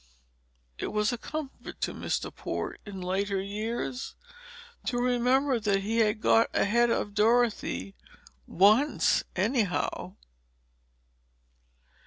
It was a comfort to Mr. Port, in later years, to remember that he had got ahead of Dorothy once, anyhow.